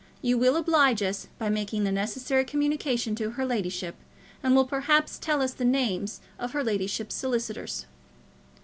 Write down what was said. You will oblige us by making the necessary communication to her ladyship, and will perhaps tell us the names of her ladyship's solicitors.